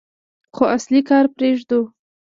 خو اصلي کار پرېږدو.